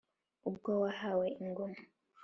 ubwo wahawe ingoma